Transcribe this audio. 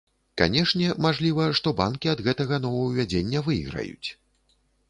Канешне, мажліва, што банкі ад гэтага новаўвядзення выйграюць.